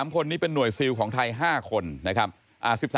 ๓คนนี้เป็นหน่วยซิลของไทย๕คนนะครับ